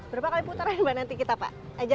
berapa kali putaran mbak nanti kita pak